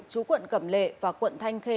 trú quận cẩm lệ và quận thanh khê